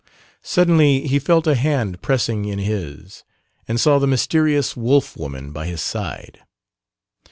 Suddenly he felt a hand pressing in his and saw the mysterious wolf woman by his side.